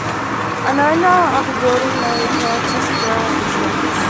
An owner of a building may purchase boiler insurance.